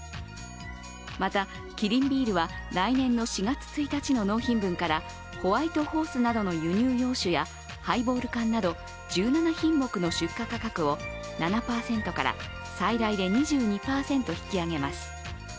また、キリンビールは来年の４月１日の納品分からホワイトホースなどの輸入洋酒やハイボール缶など１７品目の出荷価格を７％から最大で２２％引き上げます。